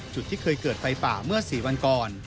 ที่เคยเกิดไฟป่าเมื่อ๔วันก่อน